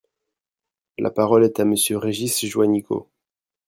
La parole est à Monsieur Régis Juanico.